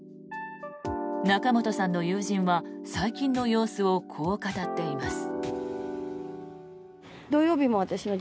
仲本さんの友人は最近の様子をこう語っています。